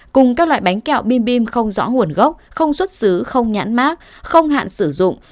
cùng các loại bánh kẹo bim bim không rõ nguồn gốc không xuất xứ không nhãn mát không hạn sử dụng